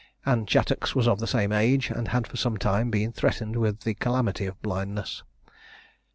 Anne Chattox was of the same age, and had for some time been threatened with the calamity of blindness.